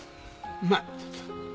うまい。